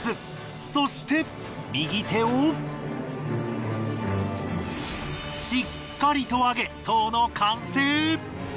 そして右手をしっかりと挙げ塔の完成！